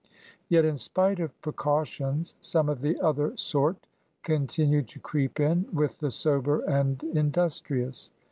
Yet, in spite of precautions, some of the other sort continued to creep in with the sober and in dustrious.